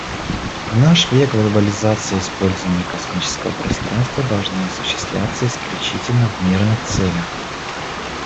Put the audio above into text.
В наш век глобализации использование космического пространства должно осуществляться исключительно в мирных целях.